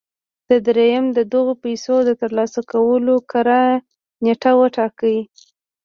درېيم د دغو پيسو د ترلاسه کولو کره نېټه وټاکئ.